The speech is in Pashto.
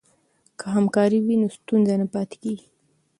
که همکاري وي نو ستونزه نه پاتې کیږي.